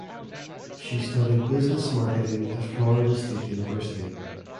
She studied Business Marketing at Florida State University.